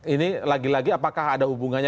ini lagi lagi apakah ada hubungannya